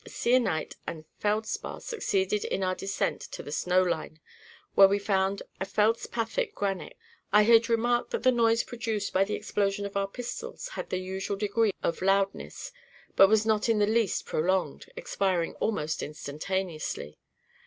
Sienite and feldspar succeeded in our descent to the snow line, where we found a feldspathic granite. I had remarked that the noise produced by the explosion of our pistols had the usual degree of loudness, but was not in the least prolonged, expiring almost instantaneously.